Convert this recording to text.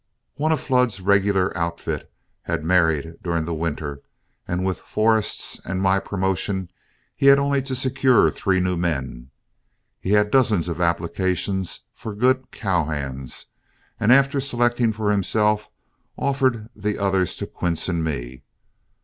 One of Flood's regular outfit had married during the winter, and with Forrest's and my promotion, he had only to secure three new men. He had dozens of applications from good cow hands, and after selecting for himself offered the others to Quince and me.